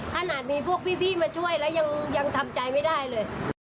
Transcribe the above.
ขนาดมีพวกพี่มาช่วยแล้วยังทำใจไม่ได้เลย